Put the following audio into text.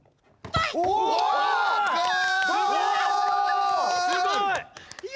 すごい！